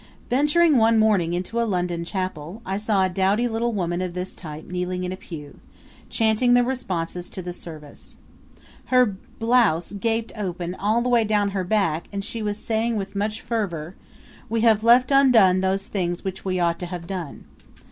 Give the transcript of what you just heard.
Venturing one morning into a London chapel I saw a dowdy little woman of this type kneeling in a pew, chanting the responses to the service. Her blouse gaped open all the way down her back and she was saying with much fervor, "We have left undone those things which we ought to have done."